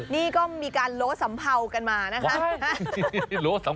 นี่ก็มีการโล้สัมเภากันมานะคะ